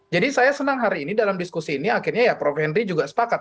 jadi saya senang hari ini dalam diskusi ini akhirnya ya prof henry juga sepakat